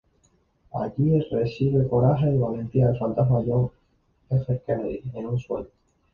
Allí, recibe coraje y valentía del fantasma de John F. Kennedy en un sueño.